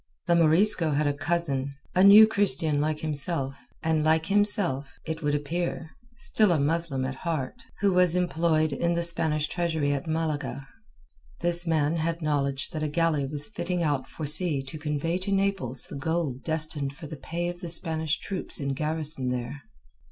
The Morisco had a cousin—a New Christian like himself, and like himself, it would appear, still a Muslim at heart—who was employed in the Spanish treasury at Malaga. This man had knowledge that a galley was fitting out for sea to convey to Naples the gold destined for the pay of the Spanish troops in garrison there.